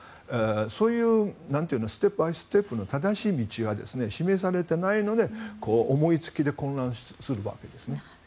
そういうステップバイステップの正しい道が示されていないので思い付きで混乱するわけですね。